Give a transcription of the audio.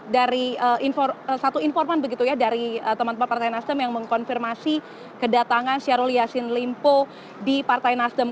dari satu informan begitu ya dari teman teman partai nasdem yang mengkonfirmasi kedatangan syahrul yassin limpo di partai nasdem